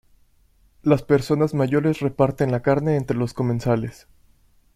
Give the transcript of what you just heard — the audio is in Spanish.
Las personas mayores reparten la carne entre los comensales.